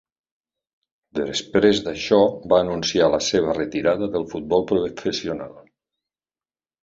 Després d'això, va anunciar la seva retirada del futbol professional.